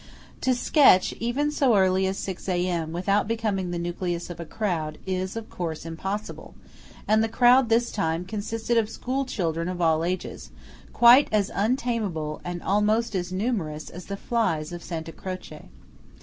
To sketch, even so early as six A.M., without becoming the nucleus of a crowd, is, of course, impossible; and the crowd this time consisted of school children of all ages, quite as "untameable," and almost as numerous, as the flies of Santa Croce.